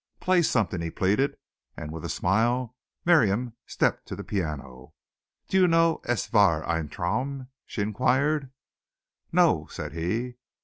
"Play something," he pleaded, and with a smile Miriam stepped to the piano. "Do you know 'Es war ein Traum'?" she inquired. "No," said he.